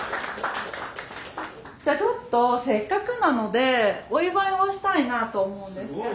じゃちょっとせっかくなのでお祝いをしたいなと思うんですけど。